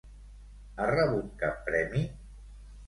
Ha rebut cap premi?